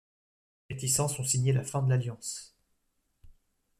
Ces réticences ont signé la fin de l'alliance.